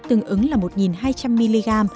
tương ứng là một hai trăm linh mg